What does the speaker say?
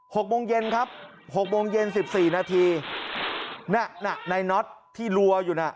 หกโมงเย็นครับหกโมงเย็นสิบสี่นาทีน่ะน่ะในน็อตที่รัวอยู่น่ะ